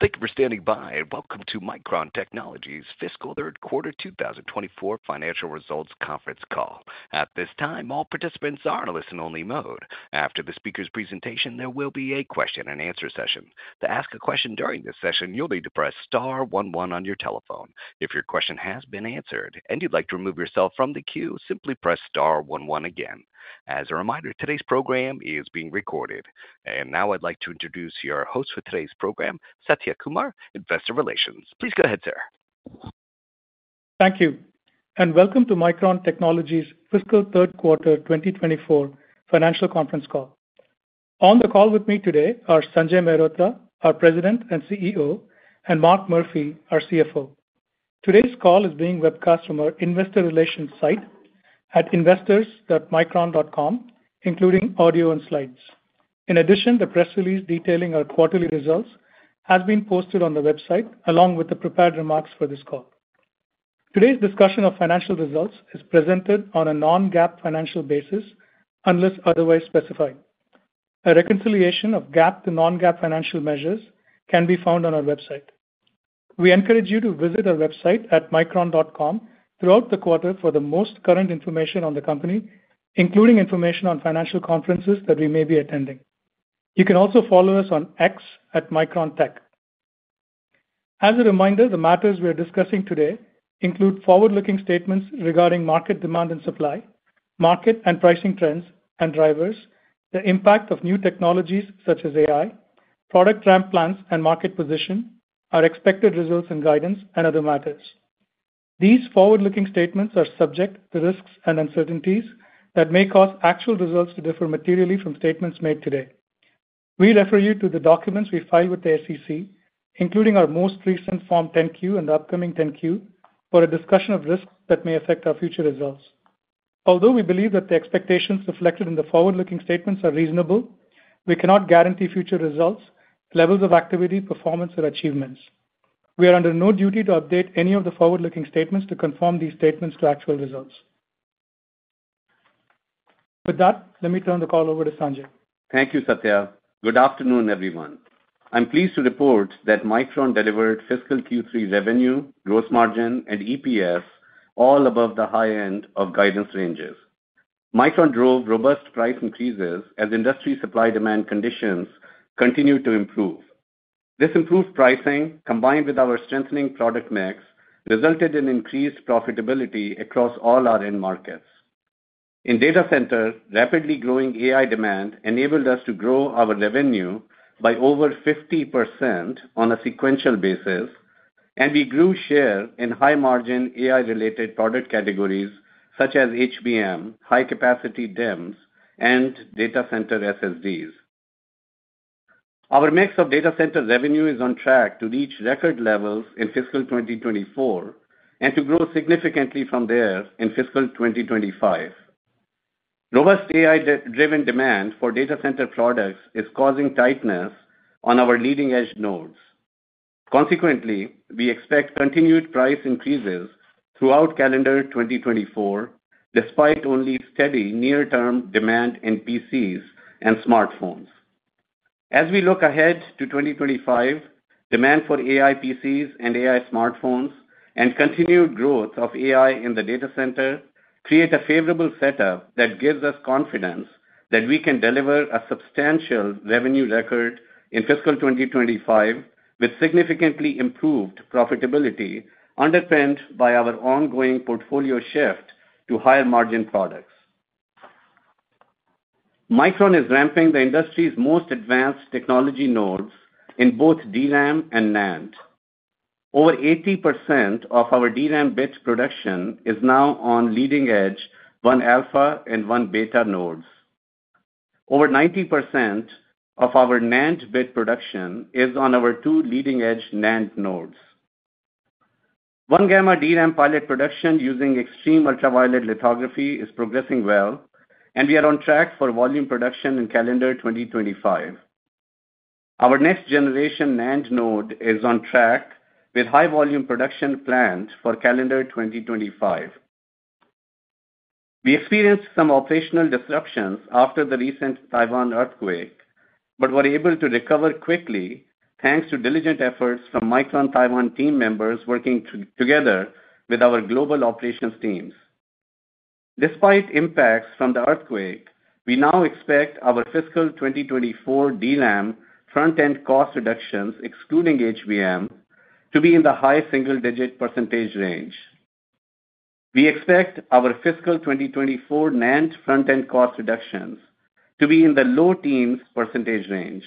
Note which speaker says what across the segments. Speaker 1: Thank you for standing by and welcome to Micron Technology's Fiscal Third Quarter 2024 Financial Results Conference Call. At this time, all participants are in a listen-only mode. After the speaker's presentation, there will be a question-and-answer session. To ask a question during this session, you'll need to press star one one on your telephone. If your question has been answered and you'd like to remove yourself from the queue, simply press star one one again. As a reminder, today's program is being recorded. Now I'd like to introduce your host for today's program, Satya Kumar, Investor Relations. Please go ahead, sir.
Speaker 2: Thank you. Welcome to Micron Technology's Fiscal Third Quarter 2024 Financial Conference Call. On the call with me today are Sanjay Mehrotra, our President and CEO, and Mark Murphy, our CFO. Today's call is being webcast from our Investor Relations site at investors.micron.com, including audio and slides. In addition, the press release detailing our quarterly results has been posted on the website along with the prepared remarks for this call. Today's discussion of financial results is presented on a non-GAAP financial basis unless otherwise specified. A reconciliation of GAAP to non-GAAP financial measures can be found on our website. We encourage you to visit our website at micron.com throughout the quarter for the most current information on the company, including information on financial conferences that we may be attending. You can also follow us on X at Micron Tech. As a reminder, the matters we are discussing today include forward-looking statements regarding market demand and supply, market and pricing trends and drivers, the impact of new technologies such as AI, product ramp plans, and market position, our expected results and guidance, and other matters. These forward-looking statements are subject to risks and uncertainties that may cause actual results to differ materially from statements made today. We refer you to the documents we filed with the SEC, including our most recent Form 10-Q and the upcoming 10-Q, for a discussion of risks that may affect our future results. Although we believe that the expectations reflected in the forward-looking statements are reasonable, we cannot guarantee future results, levels of activity, performance, or achievements. We are under no duty to update any of the forward-looking statements to conform these statements to actual results. With that, let me turn the call over to Sanjay.
Speaker 3: Thank you, Satya. Good afternoon, everyone. I'm pleased to report that Micron delivered fiscal Q3 revenue, gross margin, and EPS all above the high end of guidance ranges. Micron drove robust price increases as industry supply-demand conditions continued to improve. This improved pricing, combined with our strengthening product mix, resulted in increased profitability across all our end markets. In data center, rapidly growing AI demand enabled us to grow our revenue by over 50% on a sequential basis, and we grew share in high-margin AI-related product categories such as HBM, high-capacity DIMMs, and data center SSDs. Our mix of data center revenue is on track to reach record levels in fiscal 2024 and to grow significantly from there in fiscal 2025. Robust AI-driven demand for data center products is causing tightness on our leading-edge nodes. Consequently, we expect continued price increases throughout calendar 2024, despite only steady near-term demand in PCs and smartphones. As we look ahead to 2025, demand for AI PCs and AI smartphones and continued growth of AI in the data center create a favorable setup that gives us confidence that we can deliver a substantial revenue record in fiscal 2025 with significantly improved profitability underpinned by our ongoing portfolio shift to higher-margin products. Micron is ramping the industry's most advanced technology nodes in both DRAM and NAND. Over 80% of our DRAM bit production is now on leading-edge 1-alpha and 1-beta nodes. Over 90% of our NAND bit production is on our two leading-edge NAND nodes. 1-gamma DRAM pilot production using extreme ultraviolet lithography is progressing well, and we are on track for volume production in calendar 2025. Our next-generation NAND node is on track with high-volume production planned for calendar 2025. We experienced some operational disruptions after the recent Taiwan earthquake but were able to recover quickly thanks to diligent efforts from Micron Taiwan team members working together with our global operations teams. Despite impacts from the earthquake, we now expect our fiscal 2024 DRAM front-end cost reductions, excluding HBM, to be in the high single-digit percentage range. We expect our fiscal 2024 NAND front-end cost reductions to be in the low teens percentage range.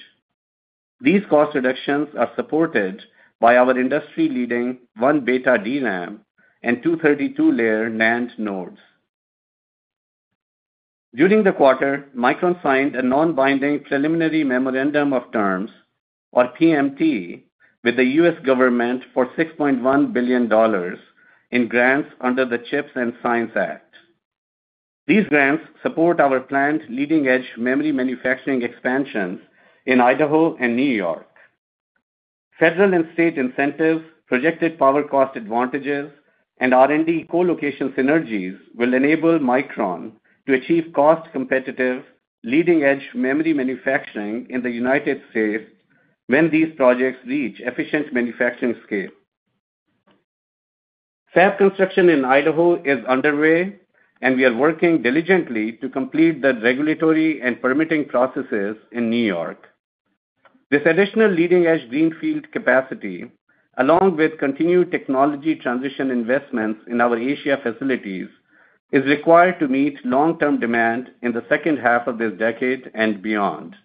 Speaker 3: These cost reductions are supported by our industry-leading 1-beta DRAM and 232-layer NAND nodes. During the quarter, Micron signed a non-binding preliminary memorandum of terms, or PMT, with the U.S. government for $6.1 billion in grants under the CHIPS and Science Act. These grants support our planned leading-edge memory manufacturing expansions in Idaho and New York. Federal and state incentives, projected power cost advantages, and R&D co-location synergies will enable Micron to achieve cost-competitive leading-edge memory manufacturing in the United States when these projects reach efficient manufacturing scale. Fab construction in Idaho is underway, and we are working diligently to complete the regulatory and permitting processes in New York. This additional leading-edge greenfield capacity, along with continued technology transition investments in our Asia facilities, is required to meet long-term demand in the second half of this decade and beyond.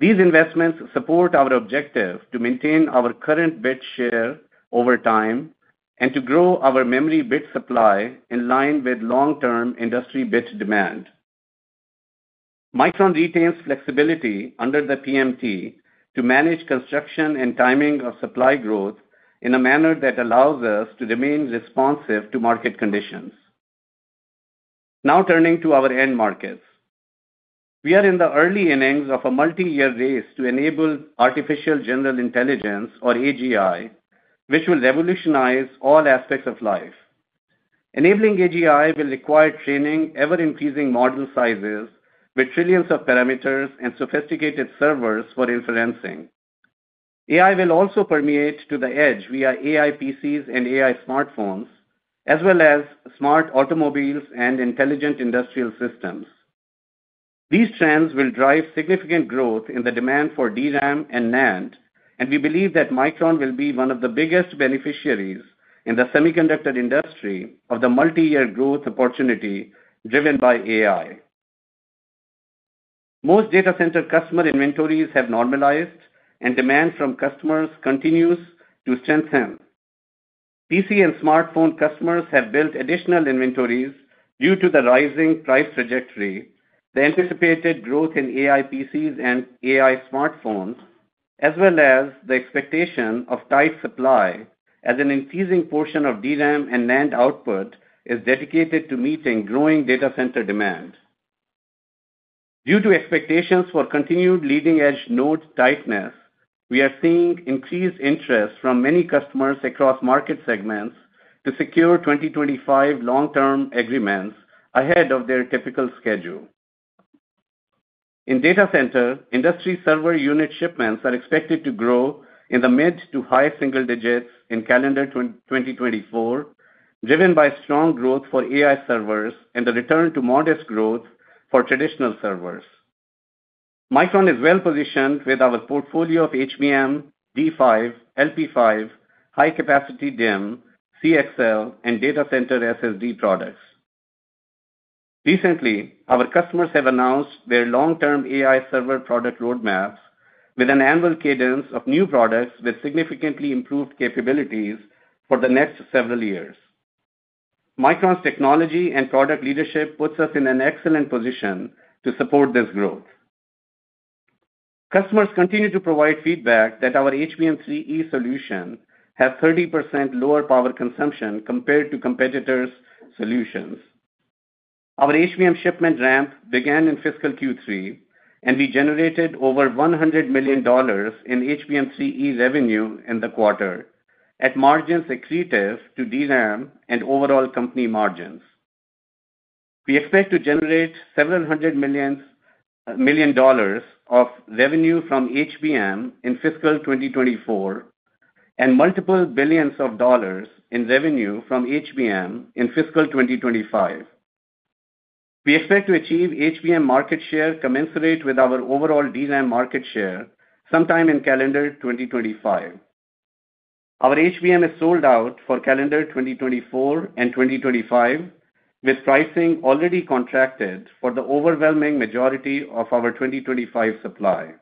Speaker 3: These investments support our objective to maintain our current bit share over time and to grow our memory bit supply in line with long-term industry bit demand. Micron retains flexibility under the PMT to manage construction and timing of supply growth in a manner that allows us to remain responsive to market conditions. Now turning to our end markets, we are in the early innings of a multi-year race to enable artificial general intelligence, or AGI, which will revolutionize all aspects of life. Enabling AGI will require training ever-increasing model sizes with trillions of parameters and sophisticated servers for inferencing. AI will also permeate to the edge via AI PCs and AI smartphones, as well as smart automobiles and intelligent industrial systems. These trends will drive significant growth in the demand for DRAM and NAND, and we believe that Micron will be one of the biggest beneficiaries in the semiconductor industry of the multi-year growth opportunity driven by AI. Most data center customer inventories have normalized, and demand from customers continues to strengthen. PC and smartphone customers have built additional inventories due to the rising price trajectory, the anticipated growth in AI PCs and AI smartphones, as well as the expectation of tight supply as an increasing portion of DRAM and NAND output is dedicated to meeting growing data center demand. Due to expectations for continued leading-edge node tightness, we are seeing increased interest from many customers across market segments to secure 2025 long-term agreements ahead of their typical schedule. In data center, industry server unit shipments are expected to grow in the mid to high single digits in calendar 2024, driven by strong growth for AI servers and the return to modest growth for traditional servers. Micron is well-positioned with our portfolio of HBM, D5, LP5, high-capacity DIMM, CXL, and data center SSD products. Recently, our customers have announced their long-term AI server product roadmaps with an annual cadence of new products with significantly improved capabilities for the next several years. Micron's technology and product leadership puts us in an excellent position to support this growth. Customers continue to provide feedback that our HBM3E solution has 30% lower power consumption compared to competitors' solutions. Our HBM shipment ramp began in fiscal Q3, and we generated over $100 million in HBM3E revenue in the quarter at margins equivalent to DRAM and overall company margins. We expect to generate several hundred million dollars of revenue from HBM in fiscal 2024 and multiple billions of dollars in revenue from HBM in fiscal 2025. We expect to achieve HBM market share commensurate with our overall DRAM market share sometime in calendar 2025. Our HBM is sold out for calendar 2024 and 2025, with pricing already contracted for the overwhelming majority of our 2025 supply.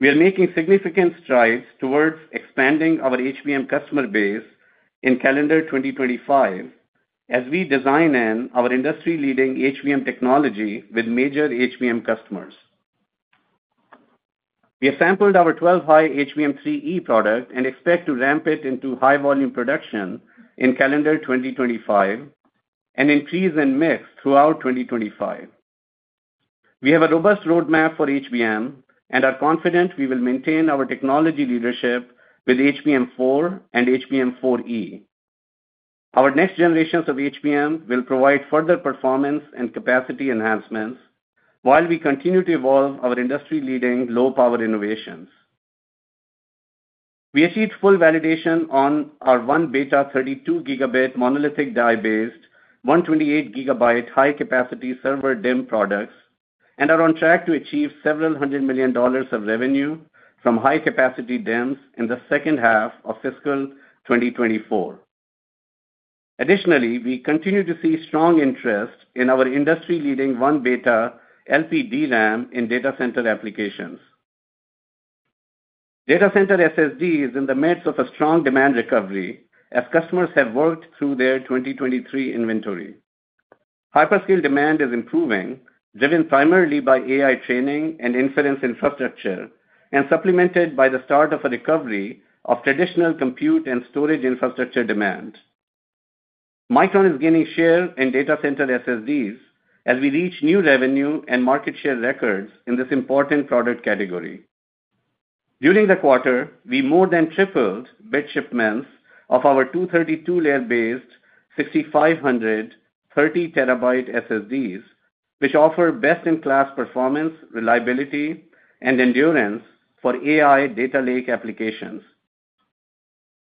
Speaker 3: We are making significant strides towards expanding our HBM customer base in calendar 2025 as we design in our industry-leading HBM technology with major HBM customers. We have sampled our 12-Hi HBM3E product and expect to ramp it into high-volume production in calendar 2025 and increase in mix throughout 2025. We have a robust roadmap for HBM and are confident we will maintain our technology leadership with HBM4 and HBM4E. Our next generations of HBM will provide further performance and capacity enhancements while we continue to evolve our industry-leading low-power innovations. We achieved full validation on our 1-beta 32 Gb monolithic die-based 128 GB high-capacity server DIMM products and are on track to achieve several hundred million dollars of revenue from high-capacity DIMMs in the second half of fiscal 2024. Additionally, we continue to see strong interest in our industry-leading 1-beta LP DRAM in data center applications. Data center SSD is in the midst of a strong demand recovery as customers have worked through their 2023 inventory. Hyperscale demand is improving, driven primarily by AI training and inference infrastructure and supplemented by the start of a recovery of traditional compute and storage infrastructure demand. Micron is gaining share in data center SSDs as we reach new revenue and market share records in this important product category. During the quarter, we more than tripled bit shipments of our 232-layer based 6500 30TB SSDs, which offer best-in-class performance, reliability, and endurance for AI data lake applications.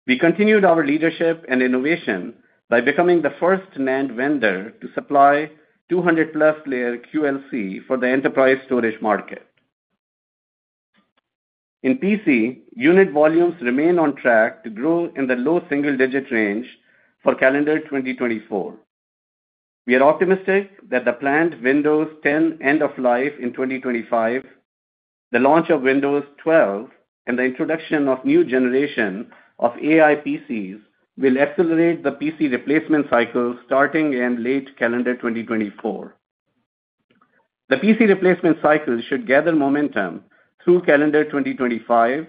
Speaker 3: We continued our leadership and innovation by becoming the first NAND vendor to supply 200+ layer QLC for the enterprise storage market. In PC, unit volumes remain on track to grow in the low single-digit range for calendar 2024. We are optimistic that the planned Windows 10 end-of-life in 2025, the launch of Windows 12, and the introduction of new generation of AI PCs will accelerate the PC replacement cycle starting in late calendar 2024. The PC replacement cycle should gather momentum through calendar 2025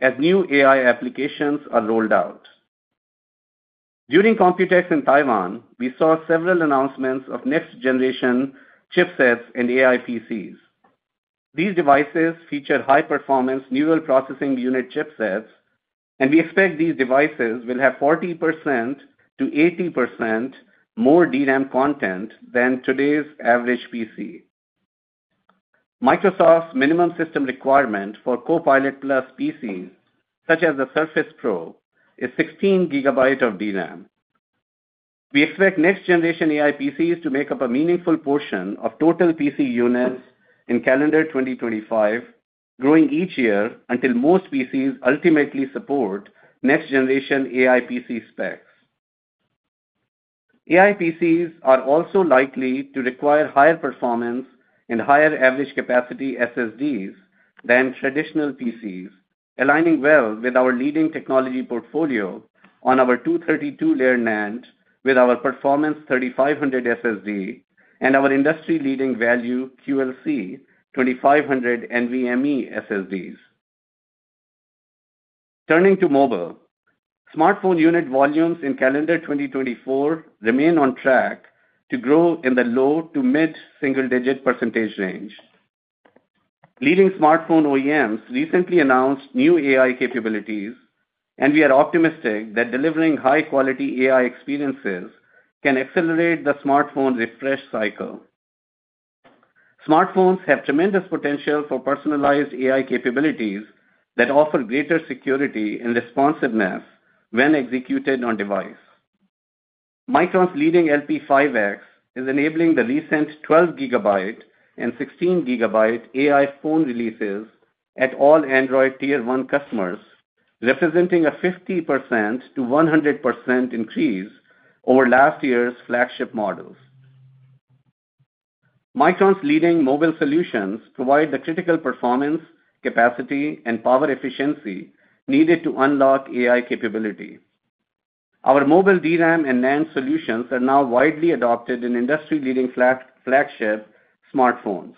Speaker 3: as new AI applications are rolled out. During COMPUTEX in Taiwan, we saw several announcements of next-generation chipsets and AI PCs. These devices feature high-performance neural processing unit chipsets, and we expect these devices will have 40%-80% more DRAM content than today's average PC. Microsoft's minimum system requirement for Copilot+ PCs, such as the Surface Pro, is 16 GB of DRAM. We expect next-generation AI PCs to make up a meaningful portion of total PC units in calendar 2025, growing each year until most PCs ultimately support next-generation AI PC specs. AI PCs are also likely to require higher performance and higher average capacity SSDs than traditional PCs, aligning well with our leading technology portfolio on our 232-layer NAND with our performance 3500 SSD and our industry-leading value QLC 2500 NVMe SSDs. Turning to mobile, smartphone unit volumes in calendar 2024 remain on track to grow in the low- to mid-single-digit % range. Leading smartphone OEMs recently announced new AI capabilities, and we are optimistic that delivering high-quality AI experiences can accelerate the smartphone refresh cycle. Smartphones have tremendous potential for personalized AI capabilities that offer greater security and responsiveness when executed on device. Micron's leading LP5X is enabling the recent 12 GB and 16 GB AI phone releases at all Android Tier 1 customers, representing a 50%-100% increase over last year's flagship models. Micron's leading mobile solutions provide the critical performance, capacity, and power efficiency needed to unlock AI capability. Our mobile DRAM and NAND solutions are now widely adopted in industry-leading flagship smartphones.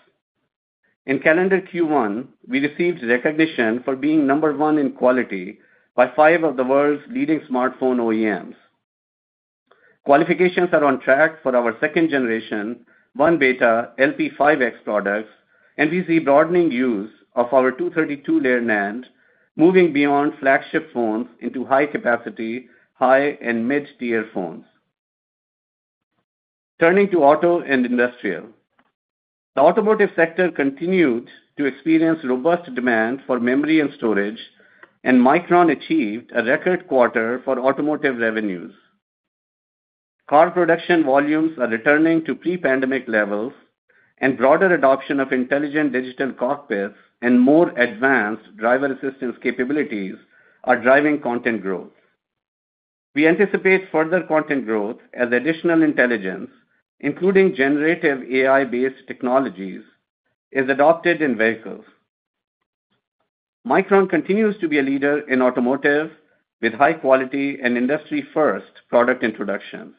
Speaker 3: In calendar Q1, we received recognition for being number one in quality by five of the world's leading smartphone OEMs. Qualifications are on track for our second-generation 1-beta LP5X products, and we see broadening use of our 232-layer NAND moving beyond flagship phones into high-capacity, high, and mid-tier phones. Turning to auto and industrial, the automotive sector continued to experience robust demand for memory and storage, and Micron achieved a record quarter for automotive revenues. Car production volumes are returning to pre-pandemic levels, and broader adoption of intelligent digital cockpits and more advanced driver assistance capabilities are driving content growth. We anticipate further content growth as additional intelligence, including generative AI-based technologies, is adopted in vehicles. Micron continues to be a leader in automotive with high-quality and industry-first product introductions.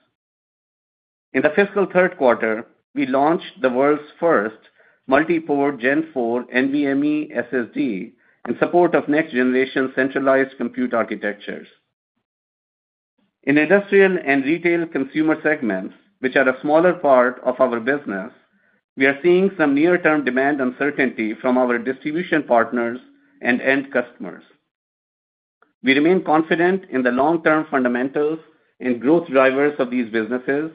Speaker 3: In the fiscal third quarter, we launched the world's first multi-port Gen 4 NVMe SSD in support of next-generation centralized compute architectures. In industrial and retail consumer segments, which are a smaller part of our business, we are seeing some near-term demand uncertainty from our distribution partners and end customers. We remain confident in the long-term fundamentals and growth drivers of these businesses,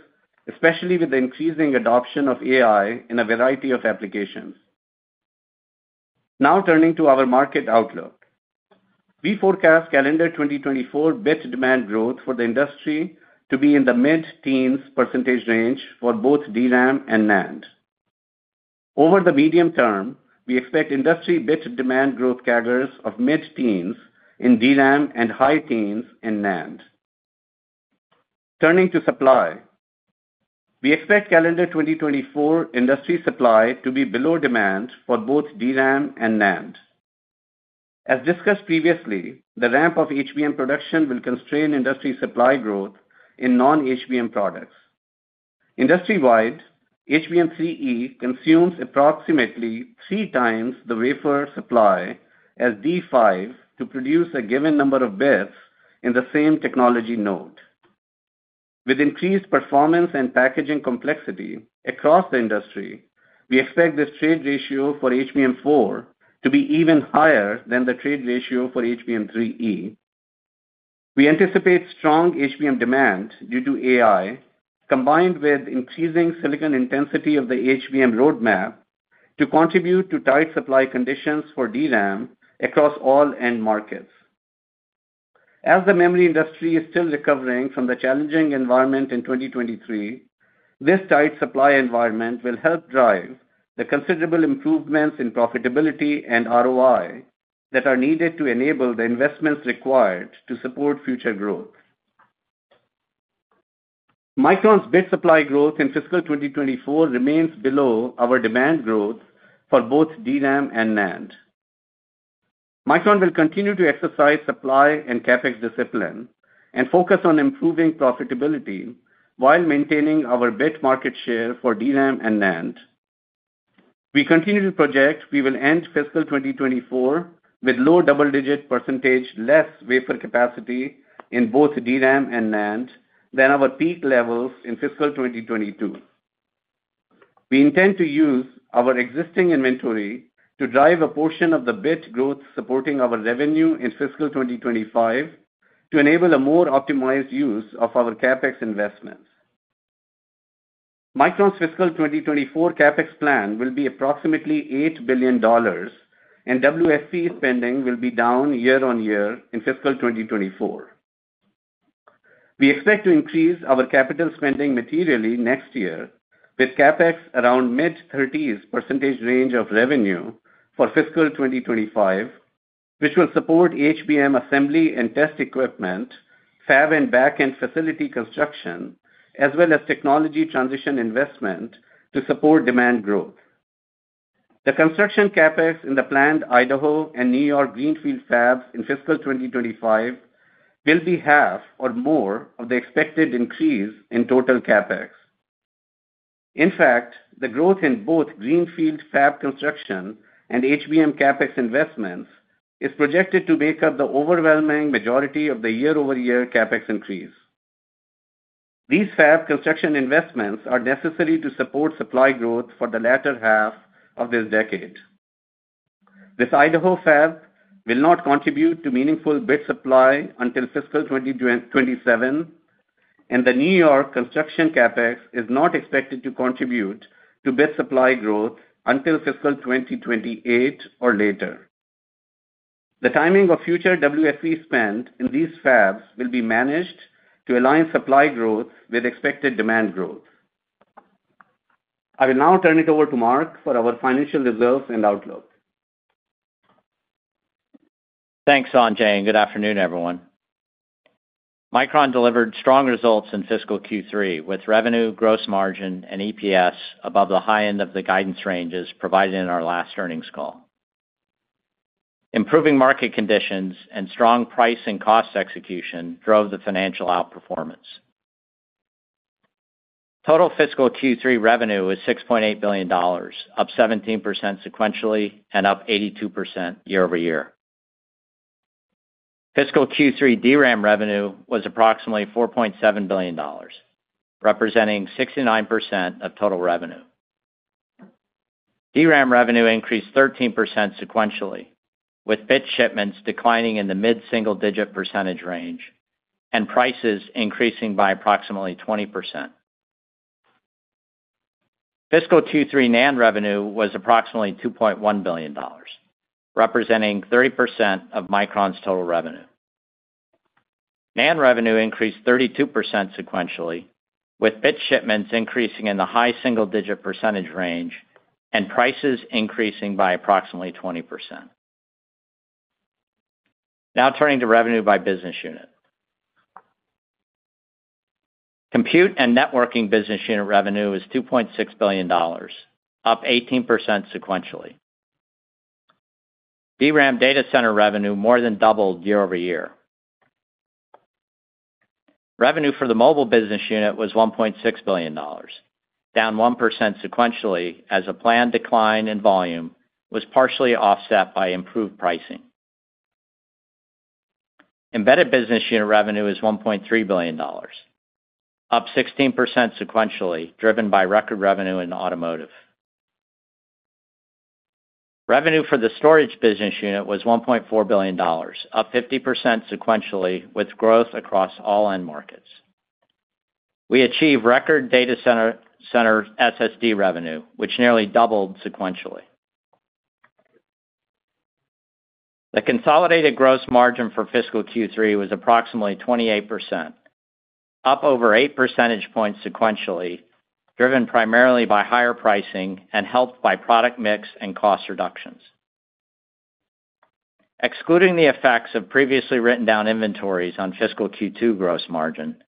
Speaker 3: especially with the increasing adoption of AI in a variety of applications. Now turning to our market outlook, we forecast calendar 2024 bit demand growth for the industry to be in the mid-teens percentage range for both DRAM and NAND. Over the medium term, we expect industry bit demand growth rates of mid-teens in DRAM and high-teens in NAND. Turning to supply, we expect calendar 2024 industry supply to be below demand for both DRAM and NAND. As discussed previously, the ramp of HBM production will constrain industry supply growth in non-HBM products. Industry-wide, HBM3E consumes approximately three times the wafer supply as D5 to produce a given number of bits in the same technology node. With increased performance and packaging complexity across the industry, we expect this trade ratio for HBM4 to be even higher than the trade ratio for HBM3E. We anticipate strong HBM demand due to AI, combined with increasing silicon intensity of the HBM roadmap, to contribute to tight supply conditions for DRAM across all end markets. As the memory industry is still recovering from the challenging environment in 2023, this tight supply environment will help drive the considerable improvements in profitability and ROI that are needed to enable the investments required to support future growth. Micron's bit supply growth in fiscal 2024 remains below our demand growth for both DRAM and NAND. Micron will continue to exercise supply and CapEx discipline and focus on improving profitability while maintaining our bit market share for DRAM and NAND. We continue to project we will end fiscal 2024 with low double-digit percentage less wafer capacity in both DRAM and NAND than our peak levels in fiscal 2022. We intend to use our existing inventory to drive a portion of the bit growth supporting our revenue in fiscal 2025 to enable a more optimized use of our CapEx investments. Micron's fiscal 2024 CapEx plan will be approximately $8 billion, and WFE spending will be down year-over-year in fiscal 2024. We expect to increase our capital spending materially next year with CapEx around mid-30s percentage range of revenue for fiscal 2025, which will support HBM assembly and test equipment, fab and back-end facility construction, as well as technology transition investment to support demand growth. The construction CapEx in the planned Idaho and New York greenfield fabs in fiscal 2025 will be half or more of the expected increase in total CapEx. In fact, the growth in both greenfield fab construction and HBM CapEx investments is projected to make up the overwhelming majority of the year-over-year CapEx increase. These fab construction investments are necessary to support supply growth for the latter half of this decade. This Idaho fab will not contribute to meaningful bit supply until fiscal 2027, and the New York construction CapEx is not expected to contribute to bit supply growth until fiscal 2028 or later. The timing of future WFE spend in these fabs will be managed to align supply growth with expected demand growth. I will now turn it over to Mark for our financial results and outlook.
Speaker 4: Thanks, Sanjay. Good afternoon, everyone. Micron delivered strong results in fiscal Q3 with revenue, gross margin, and EPS above the high end of the guidance ranges provided in our last earnings call. Improving market conditions and strong price and cost execution drove the financial outperformance. Total fiscal Q3 revenue was $6.8 billion, up 17% sequentially and up 82% year-over-year. Fiscal Q3 DRAM revenue was approximately $4.7 billion, representing 69% of total revenue. DRAM revenue increased 13% sequentially, with bit shipments declining in the mid single-digit percentage range and prices increasing by approximately 20%. Fiscal Q3 NAND revenue was approximately $2.1 billion, representing 30% of Micron's total revenue. NAND revenue increased 32% sequentially, with bit shipments increasing in the high single-digit percentage range and prices increasing by approximately 20%. Now turning to revenue by business unit. Compute and Networking Business Unit revenue was $2.6 billion, up 18% sequentially. DRAM data center revenue more than doubled year-over-year. Revenue for the Mobile Business Unit was $1.6 billion, down 1% sequentially as a planned decline in volume was partially offset by improved pricing. Embedded Business Unit revenue is $1.3 billion, up 16% sequentially driven by record revenue in automotive. Revenue for the Storage Business Unit was $1.4 billion, up 50% sequentially with growth across all end markets. We achieved record data center SSD revenue, which nearly doubled sequentially. The consolidated gross margin for fiscal Q3 was approximately 28%, up over 8 percentage points sequentially driven primarily by higher pricing and helped by product mix and cost reductions. Excluding the effects of previously written down inventories on fiscal Q2 gross margin,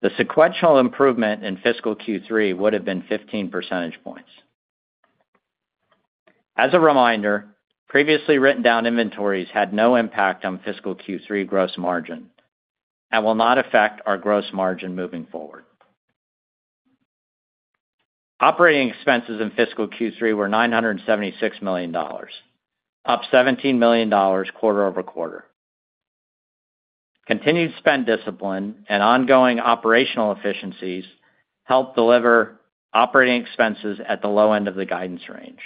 Speaker 4: the sequential improvement in fiscal Q3 would have been 15 percentage points. As a reminder, previously written down inventories had no impact on fiscal Q3 gross margin and will not affect our gross margin moving forward. Operating expenses in fiscal Q3 were $976 million, up $17 million quarter-over-quarter. Continued spend discipline and ongoing operational efficiencies helped deliver operating expenses at the low end of the guidance range.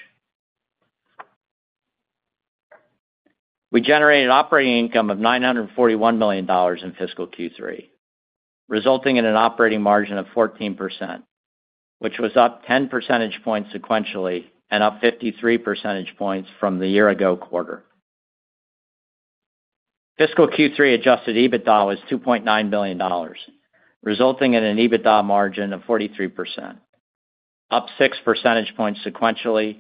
Speaker 4: We generated operating income of $941 million in fiscal Q3, resulting in an operating margin of 14%, which was up 10 percentage points sequentially and up 53 percentage points from the year-ago quarter. Fiscal Q3 adjusted EBITDA was $2.9 billion, resulting in an EBITDA margin of 43%, up 6 percentage points sequentially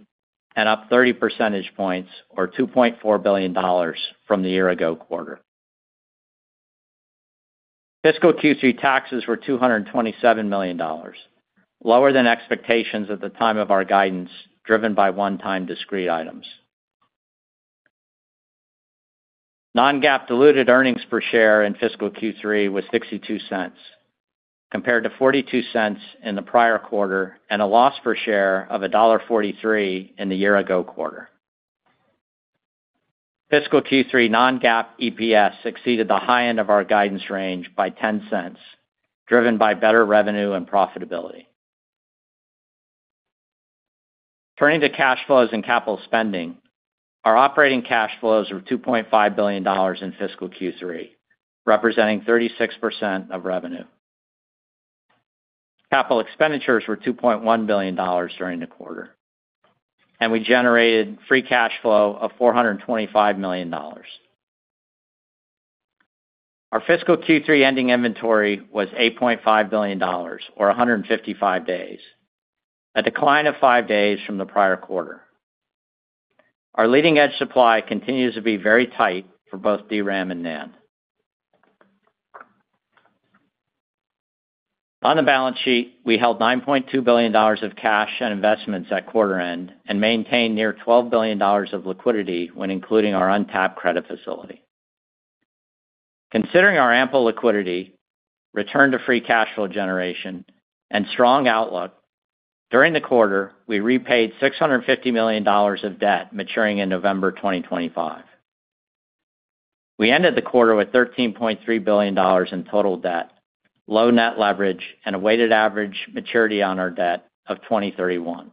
Speaker 4: and up 30 percentage points or $2.4 billion from the year-ago quarter. Fiscal Q3 taxes were $227 million, lower than expectations at the time of our guidance driven by one-time discrete items. Non-GAAP diluted earnings per share in fiscal Q3 was $0.62, compared to $0.42 in the prior quarter and a loss per share of $1.43 in the year-ago quarter. Fiscal Q3 Non-GAAP EPS exceeded the high end of our guidance range by $0.10, driven by better revenue and profitability. Turning to cash flows and capital spending, our operating cash flows were $2.5 billion in fiscal Q3, representing 36% of revenue. Capital expenditures were $2.1 billion during the quarter, and we generated free cash flow of $425 million. Our fiscal Q3 ending inventory was $8.5 billion or 155 days, a decline of five days from the prior quarter. Our leading-edge supply continues to be very tight for both DRAM and NAND. On the balance sheet, we held $9.2 billion of cash and investments at quarter end and maintained near $12 billion of liquidity when including our untapped credit facility. Considering our ample liquidity, return to free cash flow generation, and strong outlook, during the quarter, we repaid $650 million of debt maturing in November 2025. We ended the quarter with $13.3 billion in total debt, low net leverage, and a weighted average maturity on our debt of 2031.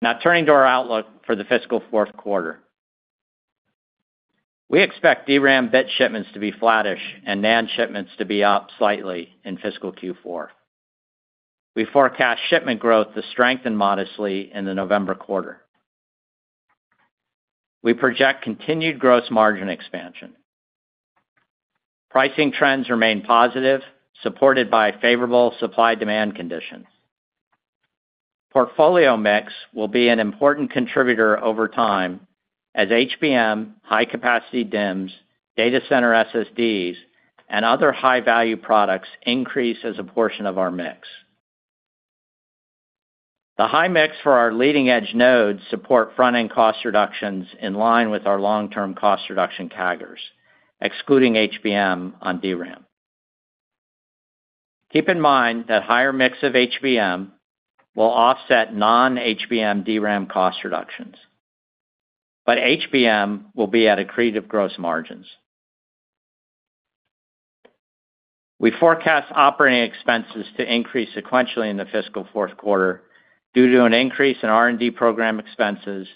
Speaker 4: Now turning to our outlook for the fiscal fourth quarter. We expect DRAM bit shipments to be flattish and NAND shipments to be up slightly in fiscal Q4. We forecast shipment growth to strengthen modestly in the November quarter. We project continued gross margin expansion. Pricing trends remain positive, supported by favorable supply-demand conditions. Portfolio mix will be an important contributor over time as HBM, high-capacity DIMMs, data center SSDs, and other high-value products increase as a portion of our mix. The high mix for our leading-edge nodes support front-end cost reductions in line with our long-term cost reduction CAGRs, excluding HBM on DRAM. Keep in mind that higher mix of HBM will offset non-HBM DRAM cost reductions, but HBM will be at attractive gross margins. We forecast operating expenses to increase sequentially in the fiscal fourth quarter due to an increase in R&D program expenses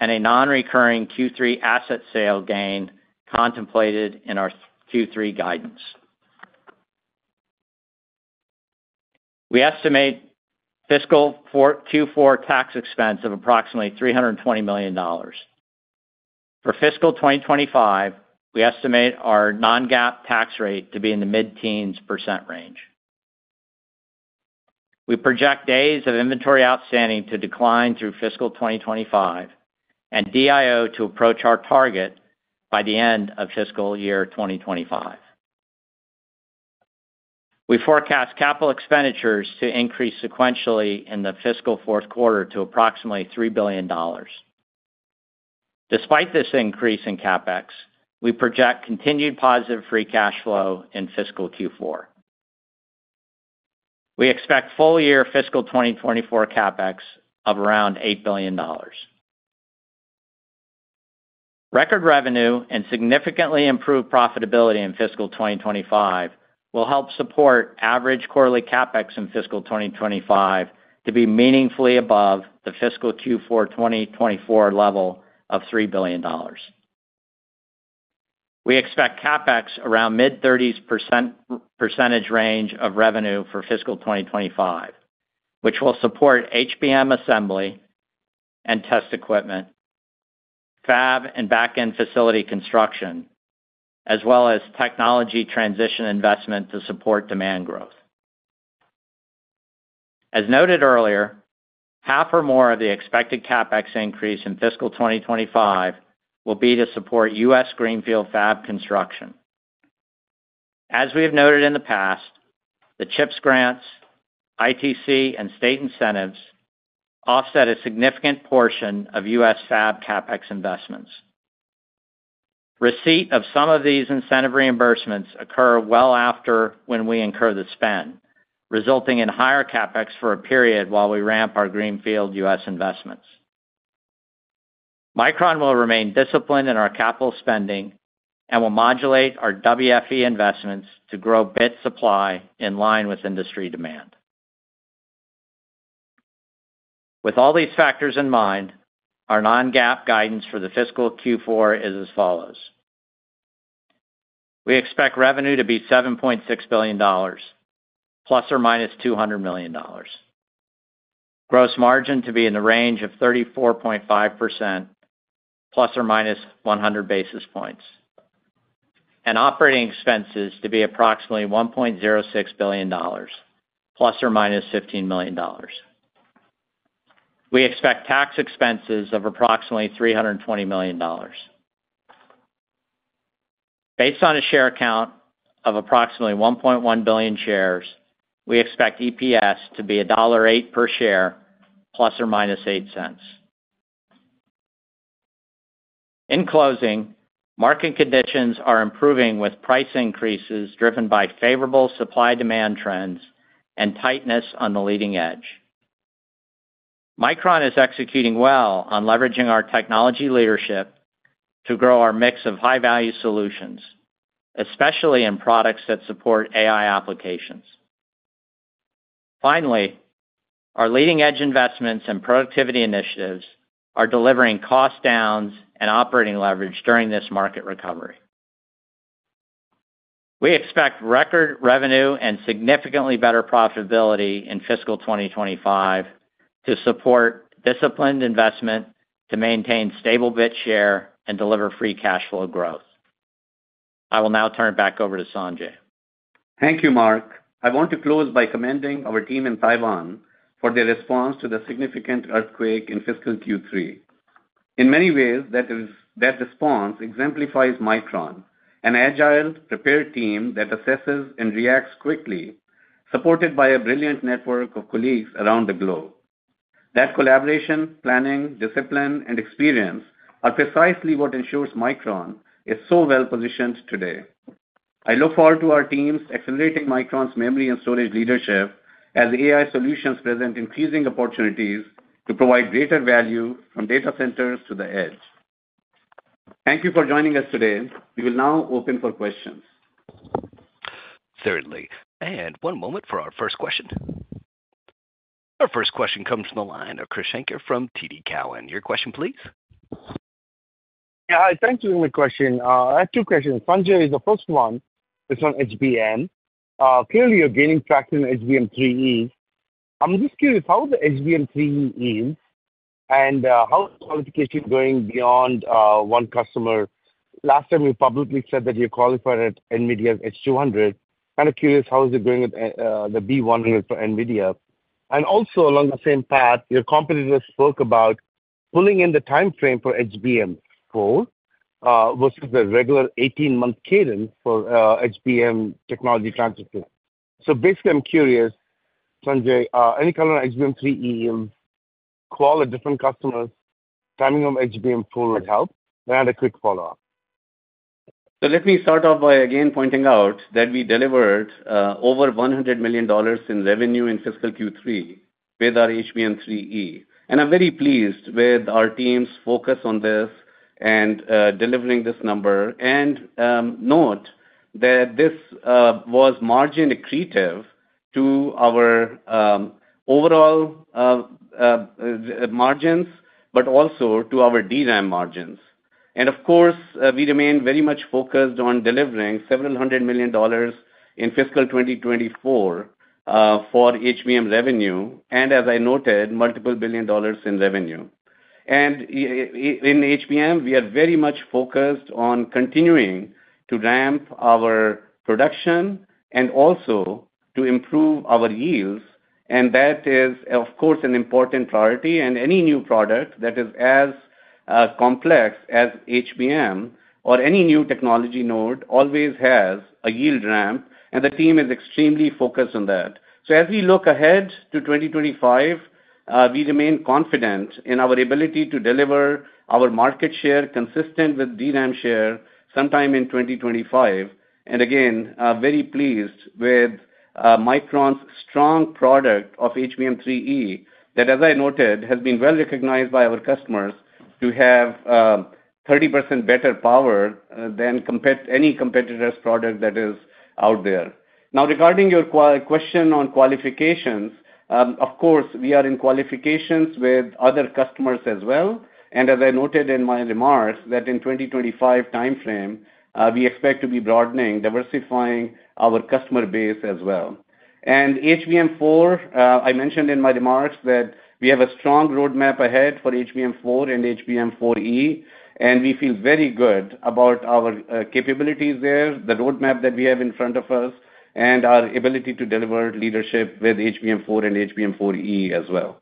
Speaker 4: and a non-recurring Q3 asset sale gain contemplated in our Q3 guidance. We estimate fiscal Q4 tax expense of approximately $320 million. For fiscal 2025, we estimate our Non-GAAP tax rate to be in the mid-teens percent range. We project days of inventory outstanding to decline through fiscal 2025 and DIO to approach our target by the end of fiscal year 2025. We forecast capital expenditures to increase sequentially in the fiscal fourth quarter to approximately $3 billion. Despite this increase in CapEx, we project continued positive free cash flow in fiscal Q4. We expect full-year fiscal 2024 CapEx of around $8 billion. Record revenue and significantly improved profitability in fiscal 2025 will help support average quarterly CapEx in fiscal 2025 to be meaningfully above the fiscal Q4 2024 level of $3 billion. We expect CapEx around mid-30s percentage range of revenue for fiscal 2025, which will support HBM assembly and test equipment, fab and back-end facility construction, as well as technology transition investment to support demand growth. As noted earlier, half or more of the expected CapEx increase in fiscal 2025 will be to support U.S. greenfield fab construction. As we have noted in the past, the CHIPS grants, ITC, and state incentives offset a significant portion of U.S. fab CapEx investments. Receipt of some of these incentive reimbursements occurs well after when we incur the spend, resulting in higher CapEx for a period while we ramp our greenfield U.S. investments. Micron will remain disciplined in our capital spending and will modulate our WFE investments to grow bit supply in line with industry demand. With all these factors in mind, our Non-GAAP guidance for the fiscal Q4 is as follows. We expect revenue to be $7.6 billion $±200 million. Gross margin to be in the range of 34.5% ±100 basis points. Operating expenses to be approximately $1.06 billion $±15 million. We expect tax expenses of approximately $320 million. Based on a share count of approximately 1.1 billion shares, we expect EPS to be $1.08 per share $±0.08. In closing, market conditions are improving with price increases driven by favorable supply-demand trends and tightness on the leading edge. Micron is executing well on leveraging our technology leadership to grow our mix of high-value solutions, especially in products that support AI applications. Finally, our leading-edge investments and productivity initiatives are delivering cost downs and operating leverage during this market recovery. We expect record revenue and significantly better profitability in fiscal 2025 to support disciplined investment to maintain stable bit share and deliver free cash flow growth. I will now turn it back over to Sanjay.
Speaker 3: Thank you, Mark. I want to close by commending our team in Taiwan for their response to the significant earthquake in fiscal Q3. In many ways, that response exemplifies Micron, an agile, prepared team that assesses and reacts quickly, supported by a brilliant network of colleagues around the globe. That collaboration, planning, discipline, and experience are precisely what ensures Micron is so well positioned today. I look forward to our teams accelerating Micron's memory and storage leadership as AI solutions present increasing opportunities to provide greater value from data centers to the edge. Thank you for joining us today. We will now open for questions.
Speaker 1: Certainly. One moment for our first question. Our first question comes from the line of Krish Sankar from TD Cowen. Your question, please.
Speaker 5: Yeah, I thank you for the question. I have two questions. Sanjay, the first one is on HBM. Clearly, you're gaining traction in HBM3E. I'm just curious, how is the HBM3E and how is qualification going beyond one customer? Last time, you publicly said that you qualified at NVIDIA's H200. Kind of curious, how is it going with the B100 for NVIDIA? Also, along the same path, your competitors spoke about pulling in the timeframe for HBM4 versus the regular 18-month cadence for HBM technology transition. So basically, I'm curious, Sanjay, any kind of HBM3E call at different customers, timing of HBM4 would help, and a quick follow-up.
Speaker 3: Let me start off by again pointing out that we delivered over $100 million in revenue in fiscal Q3 with our HBM3E. And I'm very pleased with our team's focus on this and delivering this number. And note that this was margin accretive to our overall margins, but also to our DRAM margins. And of course, we remain very much focused on delivering several hundred million dollars in fiscal 2024 for HBM revenue, and as I noted, multiple billion dollars in revenue. In HBM, we are very much focused on continuing to ramp our production and also to improve our yields. That is, of course, an important priority. Any new product that is as complex as HBM or any new technology node always has a yield ramp, and the team is extremely focused on that. As we look ahead to 2025, we remain confident in our ability to deliver our market share consistent with DRAM share sometime in 2025. Again, very pleased with Micron's strong product of HBM3E that, as I noted, has been well recognized by our customers to have 30% better power than any competitor's product that is out there. Now, regarding your question on qualifications, of course, we are in qualifications with other customers as well. As I noted in my remarks that in the 2025 timeframe, we expect to be broadening, diversifying our customer base as well. HBM4, I mentioned in my remarks that we have a strong roadmap ahead for HBM4 and HBM4E, and we feel very good about our capabilities there, the roadmap that we have in front of us, and our ability to deliver leadership with HBM4 and HBM4E as well.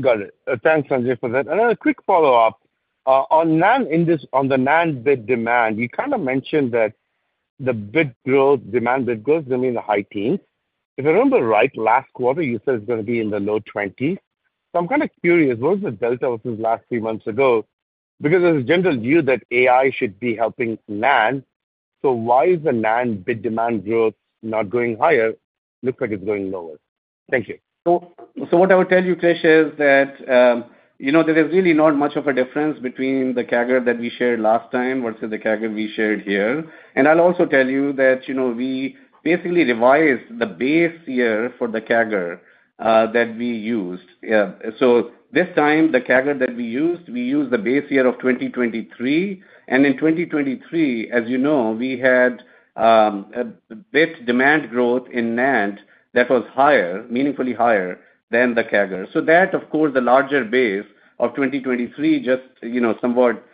Speaker 5: Got it. Thanks, Sanjay, for that. A quick follow-up. On the NAND bit demand, you kind of mentioned that the bit growth, demand bit growth, is going to be in the high teens. If I remember right, last quarter, you said it's going to be in the low 20s. So I'm kind of curious, what was the delta versus last three months ago? Because there's a general view that AI should be helping NAND, so why is the NAND bit demand growth not going higher? Looks like it's going lower. Thank you.
Speaker 3: So what I will tell you, Krish, is that there is really not much of a difference between the CAGR that we shared last time versus the CAGR we shared here. And I'll also tell you that we basically revised the base year for the CAGR that we used. So this time, the CAGR that we used, we used the base year of 2023. And in 2023, as you know, we had bit demand growth in NAND that was higher, meaningfully higher than the CAGR. So that, of course, the larger base of 2023 just somewhat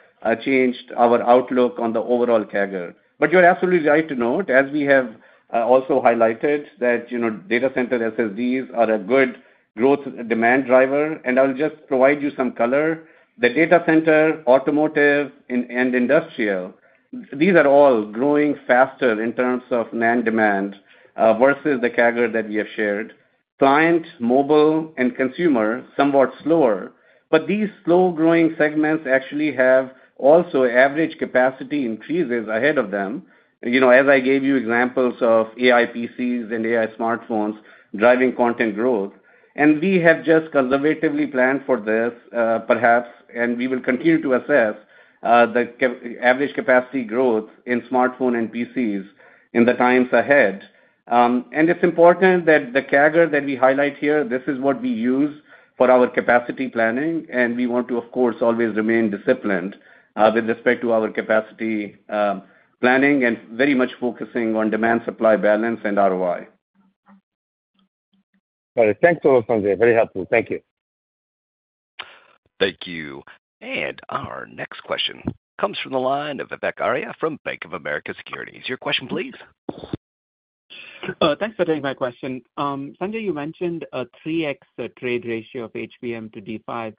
Speaker 3: changed our outlook on the overall CAGR. You're absolutely right to note, as we have also highlighted, that data center SSDs are a good growth demand driver. I'll just provide you some color. The data center, automotive, and industrial, these are all growing faster in terms of NAND demand versus the CAGR that we have shared. Client, mobile, and consumer somewhat slower. These slow-growing segments actually have also average capacity increases ahead of them. As I gave you examples of AI PCs and AI smartphones driving content growth. We have just conservatively planned for this, perhaps, and we will continue to assess the average capacity growth in smartphone and PCs in the times ahead. It's important that the CAGR that we highlight here, this is what we use for our capacity planning, and we want to, of course, always remain disciplined with respect to our capacity planning and very much focusing on demand-supply balance and ROI.
Speaker 5: Got it. Thanks a lot, Sanjay. Very helpful. Thank you.
Speaker 1: Thank you. Our next question comes from the line of Vivek Arya from Bank of America Securities. Your question, please.
Speaker 6: Thanks for taking my question. Sanjay, you mentioned a 3x trade ratio of HBM to D5.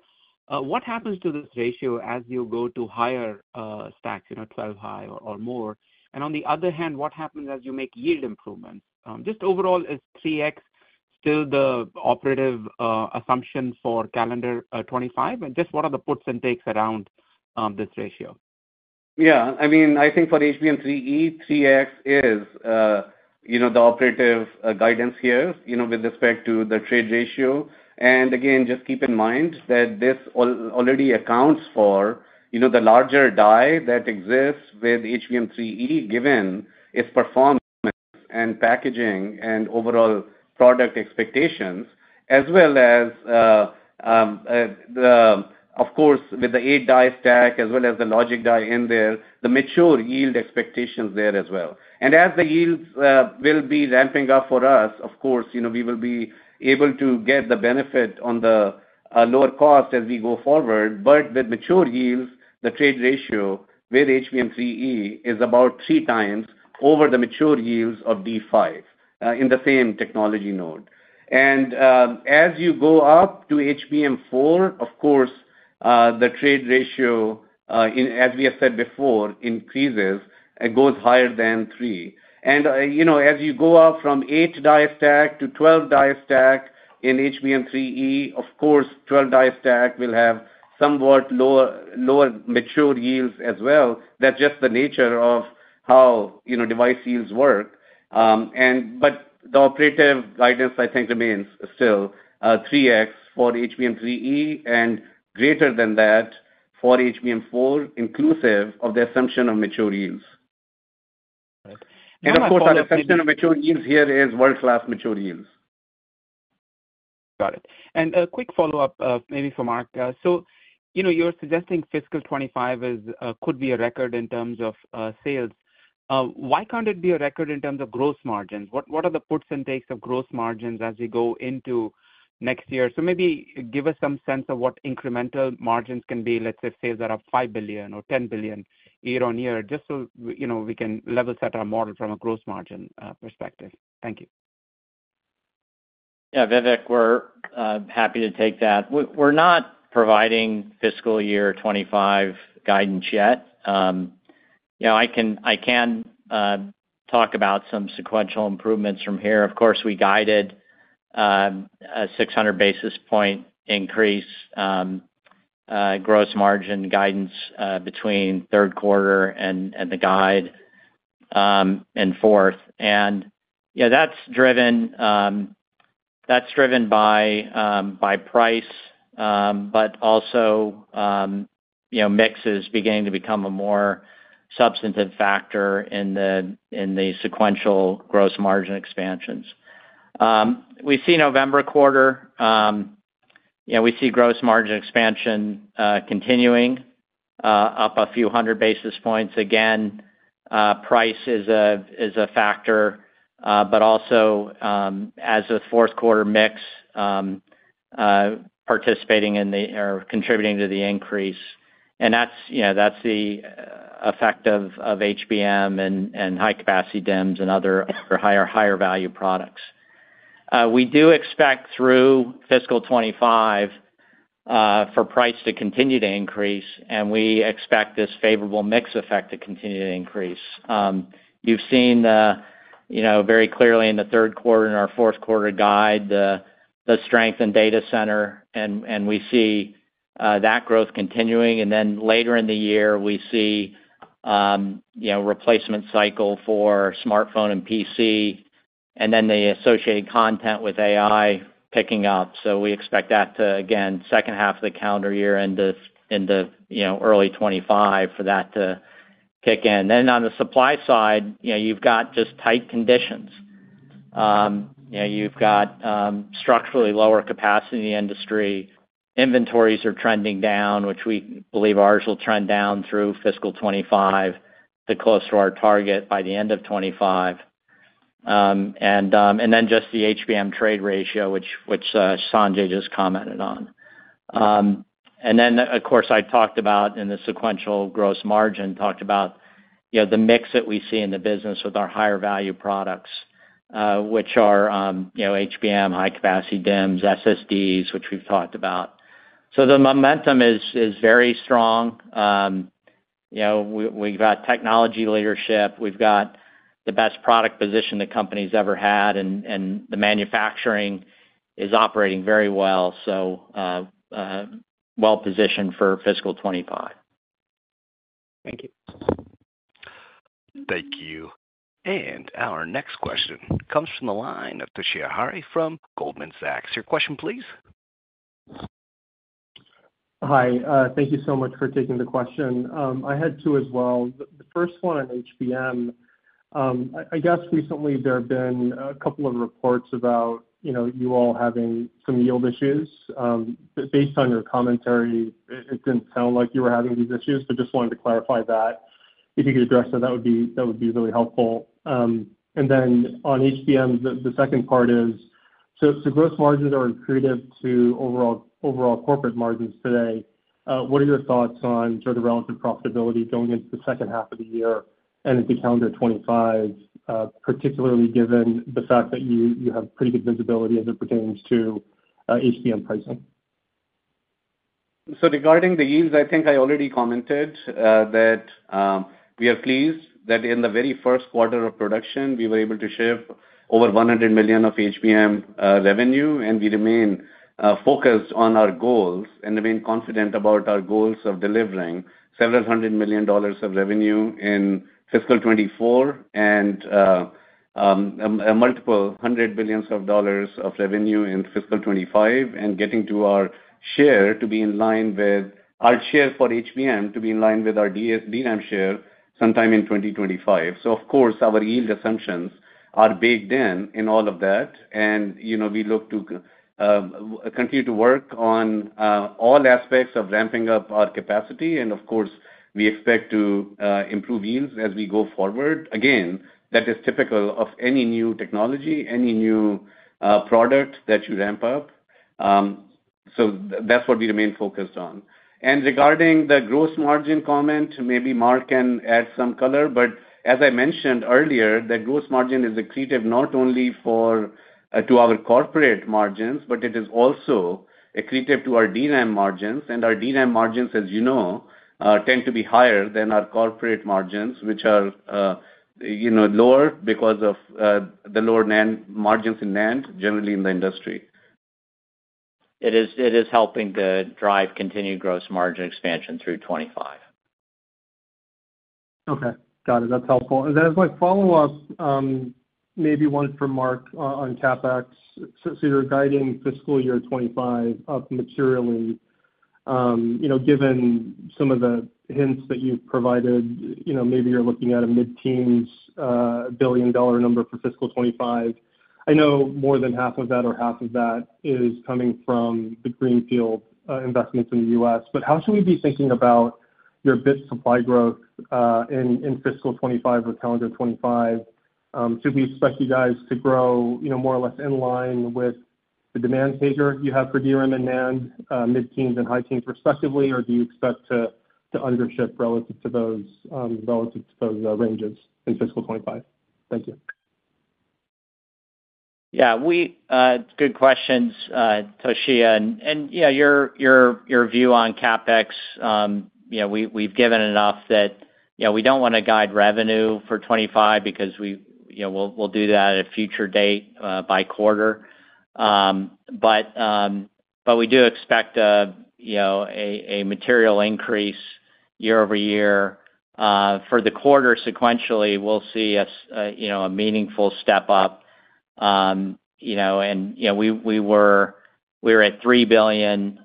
Speaker 6: What happens to this ratio as you go to higher stacks, 12-high or more? And on the other hand, what happens as you make yield improvements? Just overall, is 3x still the operative assumption for calendar 2025? And just what are the puts and takes around this ratio?
Speaker 3: Yeah. I mean, I think for HBM3E, 3x is the operative guidance here with respect to the trade ratio. And again, just keep in mind that this already accounts for the larger die that exists with HBM3E, given its performance and packaging and overall product expectations, as well as, of course, with the eight-die stack, as well as the logic die in there, the mature yield expectations there as well. And as the yields will be ramping up for us, of course, we will be able to get the benefit on the lower cost as we go forward. But with mature yields, the trade ratio with HBM3E is about 3x over the mature yields of D5 in the same technology node. And as you go up to HBM4, of course, the trade ratio, as we have said before, increases and goes higher than three. As you go up from eight-die stack to 12-die stack in HBM3E, of course, 12-die stack will have somewhat lower mature yields as well. That's just the nature of how device yields work. But the operative guidance, I think, remains still 3x for HBM3E and greater than that for HBM4, inclusive of the assumption of mature yields. And of course, our assumption of mature yields here is world-class mature yields.
Speaker 6: Got it. And a quick follow-up maybe for Mark. So you're suggesting fiscal 2025 could be a record in terms of sales. Why can't it be a record in terms of gross margins? What are the puts and takes of gross margins as we go into next year? So maybe give us some sense of what incremental margins can be, let's say, if sales are up $5 billion or $10 billion year-on-year, just so we can level set our model from a gross margin perspective. Thank you.
Speaker 4: Yeah, Vivek, we're happy to take that. We're not providing fiscal year 2025 guidance yet. I can talk about some sequential improvements from here. Of course, we guided a 600 basis points increase in gross margin guidance between third quarter and the guide and fourth. And yeah, that's driven by price, but also mix is beginning to become a more substantive factor in the sequential gross margin expansions. We see November quarter, we see gross margin expansion continuing up a few hundred basis points. Again, price is a factor, but also as a fourth quarter mix participating in the or contributing to the increase. And that's the effect of HBM and high-capacity DIMMs and other higher value products. We do expect through fiscal 2025 for price to continue to increase, and we expect this favorable mix effect to continue to increase. You've seen very clearly in the third quarter and our fourth quarter guide, the strength in data center, and we see that growth continuing. And then later in the year, we see replacement cycle for smartphone and PC, and then the associated content with AI picking up. So we expect that to, again, second half of the calendar year into early 2025 for that to kick in. Then on the supply side, you've got just tight conditions. You've got structurally lower capacity in the industry. Inventories are trending down, which we believe ours will trend down through fiscal 2025 to close to our target by the end of 2025. And then just the HBM trade ratio, which Sanjay just commented on. And then, of course, I talked about in the sequential gross margin, talked about the mix that we see in the business with our higher value products, which are HBM, high-capacity DIMMs, SSDs, which we've talked about. So the momentum is very strong. We've got technology leadership. We've got the best product position the company's ever had, and the manufacturing is operating very well, so well positioned for fiscal 2025.
Speaker 6: Thank you.
Speaker 1: Thank you. And our next question comes from the line of Toshiya Hari from Goldman Sachs. Your question, please.
Speaker 7: Hi. Thank you so much for taking the question. I had two as well. The first one on HBM, I guess recently there have been a couple of reports about you all having some yield issues. Based on your commentary, it didn't sound like you were having these issues, but just wanted to clarify that. If you could address that, that would be really helpful. And then on HBM, the second part is, so gross margins are accretive to overall corporate margins today. What are your thoughts on sort of relative profitability going into the second half of the year and into calendar 2025, particularly given the fact that you have pretty good visibility as it pertains to HBM pricing?
Speaker 3: So regarding the yields, I think I already commented that we are pleased that in the very first quarter of production, we were able to ship over $100 million of HBM revenue, and we remain focused on our goals and remain confident about our goals of delivering several hundred million dollars of revenue in fiscal 2024 and multiple hundred billions of dollars of revenue in fiscal 2025 and getting to our share to be in line with our share for HBM to be in line with our DRAM share sometime in 2025. So, of course, our yield assumptions are baked in in all of that, and we look to continue to work on all aspects of ramping up our capacity. And, of course, we expect to improve yields as we go forward. Again, that is typical of any new technology, any new product that you ramp up. So that's what we remain focused on. And regarding the gross margin comment, maybe Mark can add some color. But as I mentioned earlier, the gross margin is accretive not only to our corporate margins, but it is also accretive to our DRAM margins. And our DRAM margins, as you know, tend to be higher than our corporate margins, which are lower because of the lower NAND margins in NAND generally in the industry. It is helping to drive continued gross margin expansion through 2025.
Speaker 7: Okay. Got it. That's helpful. As my follow-up, maybe one from Mark on CapEx. So you're guiding fiscal year 2025 up materially. Given some of the hints that you've provided, maybe you're looking at a mid-teens $ billion number for fiscal 2025. I know more than half of that or half of that is coming from the greenfield investments in the U.S. But how should we be thinking about your bit supply growth in fiscal 2025 or calendar 2025? Should we expect you guys to grow more or less in line with the demand figure you have for DRAM and NAND, mid-teens and high-teens respectively, or do you expect to under-ship relative to those ranges in fiscal 2025? Thank you.
Speaker 4: Yeah. Good questions, Toshiya. And yeah, your view on CapEx, we've given enough that we don't want to guide revenue for 2025 because we'll do that at a future date by quarter. But we do expect a material increase year-over-year. For the quarter, sequentially, we'll see a meaningful step up. And we were at $3 billion.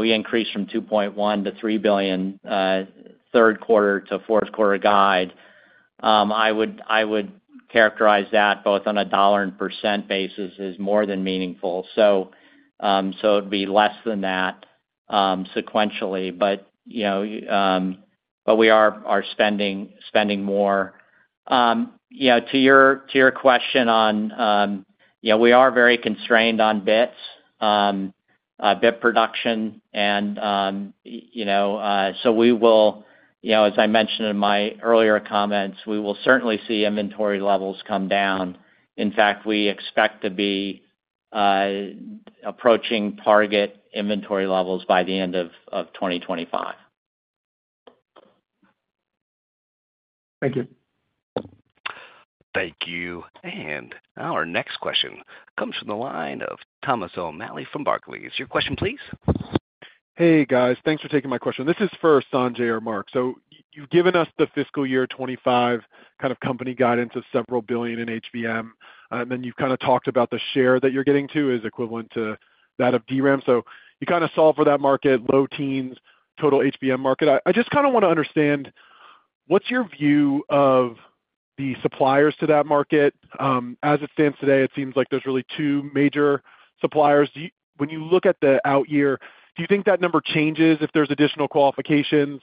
Speaker 4: We increased from $2.1 billion-$3 billion third quarter to fourth quarter guide. I would characterize that both on a dollar and percent basis as more than meaningful. So it would be less than that sequentially. But we are spending more. To your question on, we are very constrained on bits, bit production. And so we will, as I mentioned in my earlier comments, we will certainly see inventory levels come down. In fact, we expect to be approaching target inventory levels by the end of 2025.
Speaker 7: Thank you.
Speaker 1: Thank you. And our next question comes from the line of Thomas O’Malley from Barclays. Your question, please.
Speaker 8: Hey, guys. Thanks for taking my question. This is for Sanjay or Mark. So you’ve given us the fiscal year 2025 kind of company guidance of several billion in HBM. And then you’ve kind of talked about the share that you’re getting to is equivalent to that of DRAM. So you kind of solve for that market, low teens, total HBM market. I just kind of want to understand what's your view of the suppliers to that market. As it stands today, it seems like there's really two major suppliers. When you look at the out year, do you think that number changes if there's additional qualifications?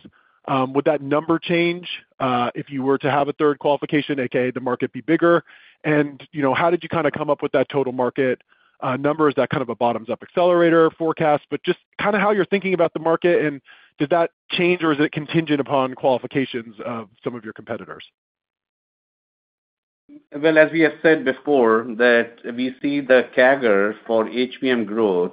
Speaker 8: Would that number change if you were to have a third qualification, a.k.a. the market be bigger? And how did you kind of come up with that total market number? Is that kind of a bottoms-up accelerator forecast? But just kind of how you're thinking about the market, and did that change, or is it contingent upon qualifications of some of your competitors?
Speaker 3: Well, as we have said before, that we see the CAGR for HBM growth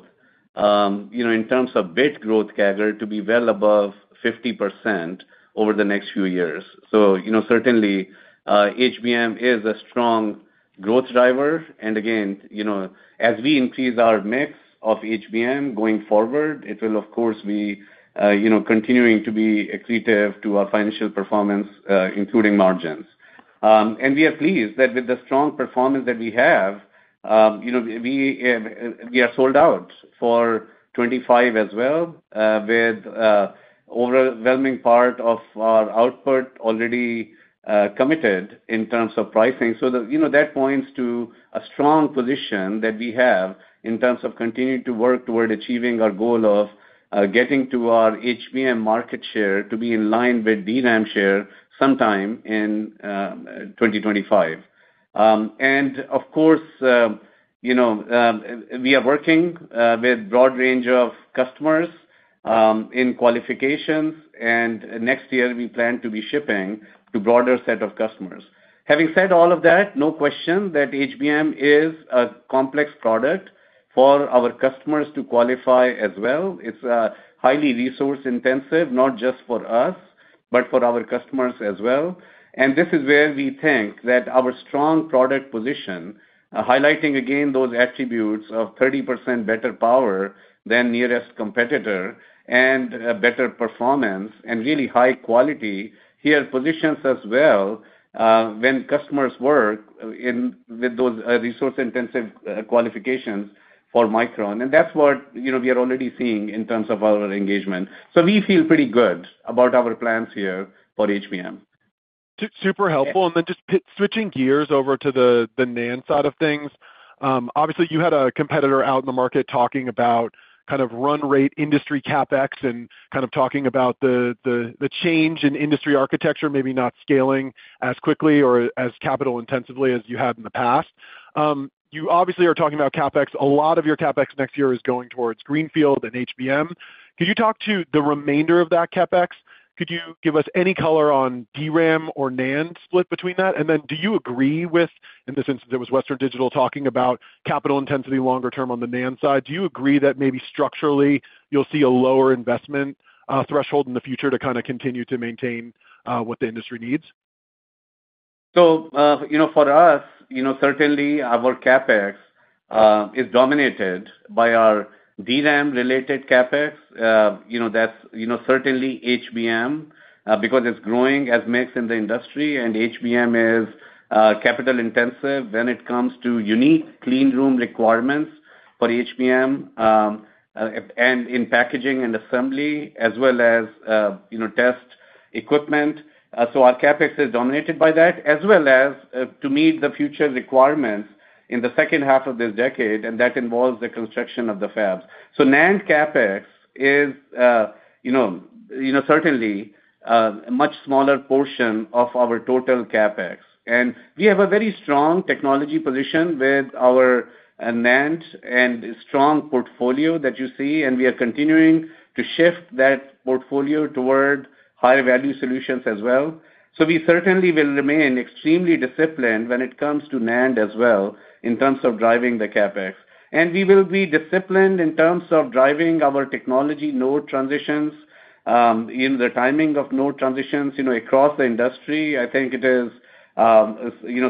Speaker 3: in terms of bit growth CAGR to be well above 50% over the next few years. So certainly, HBM is a strong growth driver. And again, as we increase our mix of HBM going forward, it will, of course, be continuing to be accretive to our financial performance, including margins. We are pleased that with the strong performance that we have, we are sold out for 2025 as well, with an overwhelming part of our output already committed in terms of pricing. So that points to a strong position that we have in terms of continuing to work toward achieving our goal of getting to our HBM market share to be in line with DRAM share sometime in 2025. And of course, we are working with a broad range of customers in qualifications. And next year, we plan to be shipping to a broader set of customers. Having said all of that, no question that HBM is a complex product for our customers to qualify as well. It's highly resource-intensive, not just for us, but for our customers as well. And this is where we think that our strong product position, highlighting again those attributes of 30% better power than nearest competitor and better performance and really high quality, here positions us well when customers work with those resource-intensive qualifications for Micron. And that's what we are already seeing in terms of our engagement. So we feel pretty good about our plans here for HBM.
Speaker 8: Super helpful. And then just switching gears over to the NAND side of things. Obviously, you had a competitor out in the market talking about kind of run rate industry CapEx and kind of talking about the change in industry architecture, maybe not scaling as quickly or as capital-intensively as you had in the past. You obviously are talking about CapEx. A lot of your CapEx next year is going towards greenfield and HBM. Could you talk to the remainder of that CapEx? Could you give us any color on DRAM or NAND split between that? And then do you agree with, in this instance, it was Western Digital talking about capital intensity longer term on the NAND side, do you agree that maybe structurally you'll see a lower investment threshold in the future to kind of continue to maintain what the industry needs?
Speaker 3: So for us, certainly, our CapEx is dominated by our DRAM-related CapEx. That's certainly HBM because it's growing as mix in the industry. And HBM is capital-intensive when it comes to unique clean room requirements for HBM and in packaging and assembly, as well as test equipment. So our CapEx is dominated by that, as well as to meet the future requirements in the second half of this decade, and that involves the construction of the fabs. So NAND CapEx is certainly a much smaller portion of our total CapEx. And we have a very strong technology position with our NAND and strong portfolio that you see, and we are continuing to shift that portfolio toward higher value solutions as well. So we certainly will remain extremely disciplined when it comes to NAND as well in terms of driving the CapEx. And we will be disciplined in terms of driving our technology node transitions, the timing of node transitions across the industry. I think it is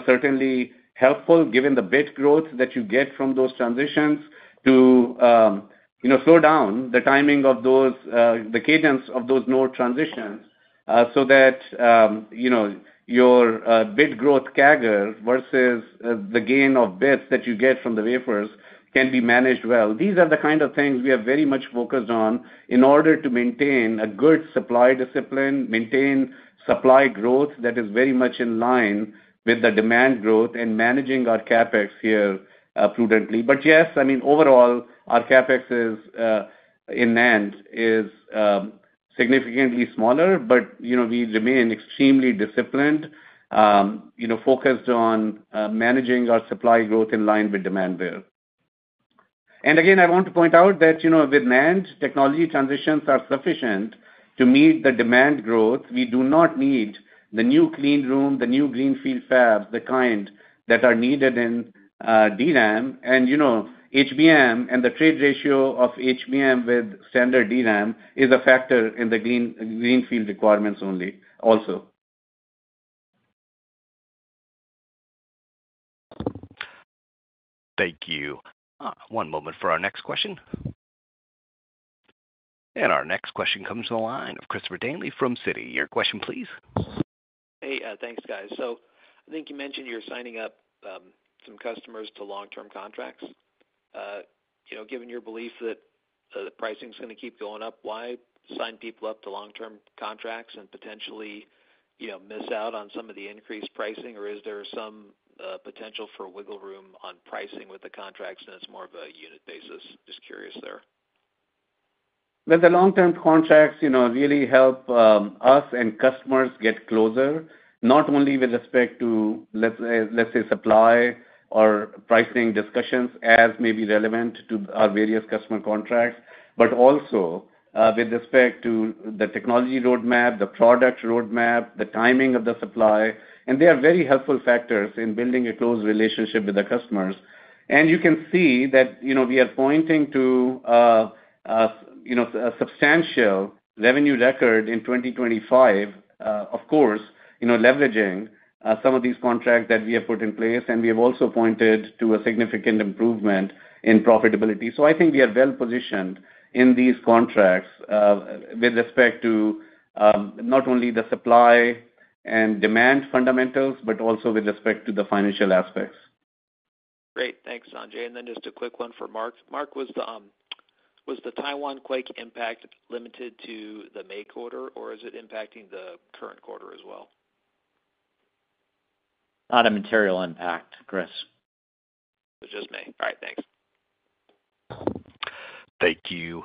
Speaker 3: certainly helpful, given the bit growth that you get from those transitions, to slow down the timing of those, the cadence of those node transitions so that your bit growth CAGR versus the gain of bits that you get from the wafers can be managed well. These are the kind of things we are very much focused on in order to maintain a good supply discipline, maintain supply growth that is very much in line with the demand growth, and managing our CapEx here prudently. But yes, I mean, overall, our CapEx in NAND is significantly smaller, but we remain extremely disciplined, focused on managing our supply growth in line with demand there. And again, I want to point out that with NAND, technology transitions are sufficient to meet the demand growth. We do not need the new clean room, the new greenfield fabs, the kind that are needed in DRAM. HBM and the trade ratio of HBM with standard DRAM is a factor in the greenfield requirements only also.
Speaker 1: Thank you. One moment for our next question. Our next question comes from the line of Christopher Danely from Citi. Your question, please.
Speaker 9: Hey, thanks, guys. So I think you mentioned you're signing up some customers to long-term contracts. Given your belief that the pricing is going to keep going up, why sign people up to long-term contracts and potentially miss out on some of the increased pricing, or is there some potential for wiggle room on pricing with the contracts and it's more of a unit basis? Just curious there.
Speaker 3: Well, the long-term contracts really help us and customers get closer, not only with respect to, let's say, supply or pricing discussions as may be relevant to our various customer contracts, but also with respect to the technology roadmap, the product roadmap, the timing of the supply. And they are very helpful factors in building a close relationship with the customers. And you can see that we are pointing to a substantial revenue record in 2025, of course, leveraging some of these contracts that we have put in place. And we have also pointed to a significant improvement in profitability. So I think we are well positioned in these contracts with respect to not only the supply and demand fundamentals, but also with respect to the financial aspects.
Speaker 9: Great. Thanks, Sanjay. And then just a quick one for Mark. Mark, was the Taiwan quake impact limited to the May quarter, or is it impacting the current quarter as well?
Speaker 4: Not a material impact, Chris.
Speaker 9: It was just me. All right. Thanks.
Speaker 1: Thank you.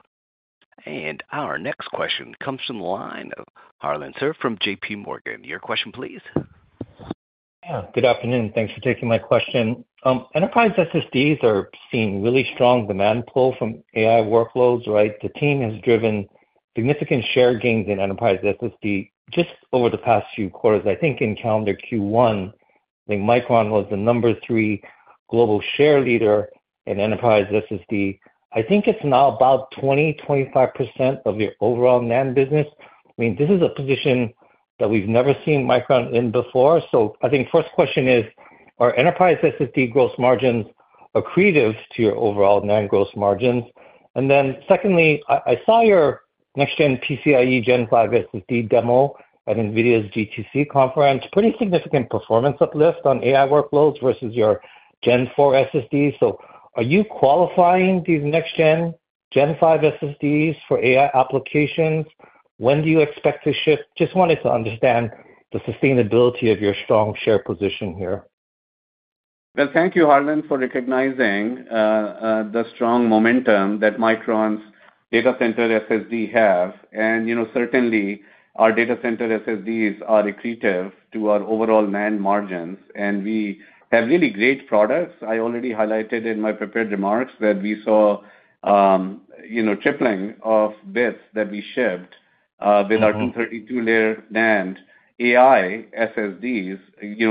Speaker 1: And our next question comes from the line of Harlan Sur from JPMorgan. Your question, please.
Speaker 10: Yeah. Good afternoon. Thanks for taking my question. Enterprise SSDs are seeing really strong demand pull from AI workloads, right? The team has driven significant share gains in enterprise SSD just over the past few quarters. I think in calendar Q1, I think Micron was the number three global share leader in enterprise SSD. I think it's now about 20%-25% of your overall NAND business. I mean, this is a position that we've never seen Micron in before. So I think first question is, are enterprise SSD gross margins accretive to your overall NAND gross margins? And then secondly, I saw your next-gen PCIe Gen5 SSD demo at NVIDIA's GTC conference. Pretty significant performance uplift on AI workloads versus your Gen4 SSD. So are you qualifying these next-gen Gen5 SSDs for AI applications? When do you expect to shift? Just wanted to understand the sustainability of your strong share position here.
Speaker 3: Well, thank you, Harlan, for recognizing the strong momentum that Micron's data center SSD has. And certainly, our data center SSDs are accretive to our overall NAND margins. And we have really great products. I already highlighted in my prepared remarks that we saw tripling of bits that we shipped with our 232-layer NAND AI SSDs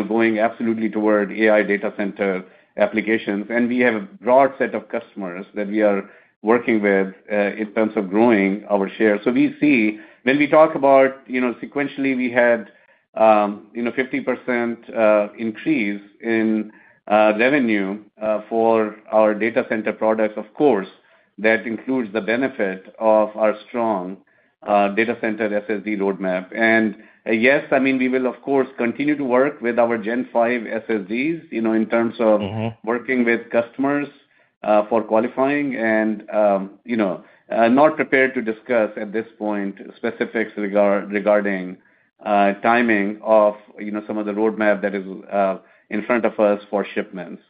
Speaker 3: going absolutely toward AI data center applications. And we have a broad set of customers that we are working with in terms of growing our share. So we see, when we talk about sequentially, we had a 50% increase in revenue for our data center products, of course, that includes the benefit of our strong data center SSD roadmap. And yes, I mean, we will, of course, continue to work with our Gen5 SSDs in terms of working with customers for qualifying and not prepared to discuss at this point specifics regarding timing of some of the roadmap that is in front of us for shipments.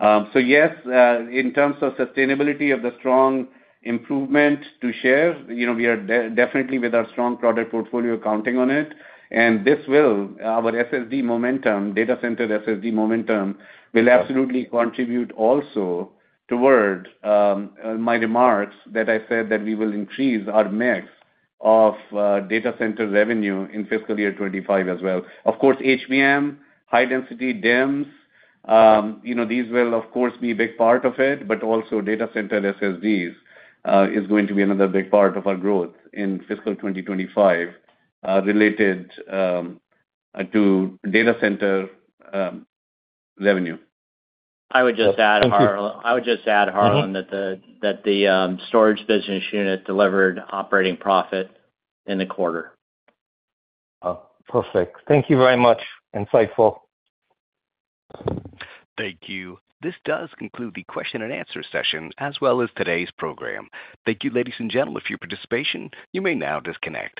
Speaker 3: So yes, in terms of sustainability of the strong improvement to share, we are definitely with our strong product portfolio counting on it. And this will, our SSD momentum, data center SSD momentum will absolutely contribute also toward my remarks that I said that we will increase our mix of data center revenue in fiscal year 2025 as well. Of course, HBM, high-density DIMMs, these will, of course, be a big part of it, but also data center SSDs is going to be another big part of our growth in fiscal 2025 related to data center revenue. I would just add, Harlan, that the Storage Business Unit delivered operating profit in the quarter.
Speaker 10: Perfect. Thank you very much. Insightful.
Speaker 3: Thank you. This does conclude the question and answer session as well as today's program. Thank you, ladies and gentlemen, for your participation. You may now disconnect.